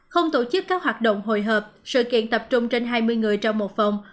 không tổ chức các hoạt động hội hợp sự kiện tập trung trên hai mươi người trong một phòng